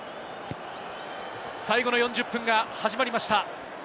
最後の４０分が始まりました。